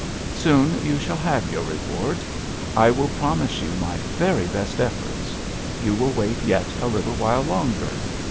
"Soon you shall have your reward. I will promise you my very best efforts. You will wait yet a little while longer.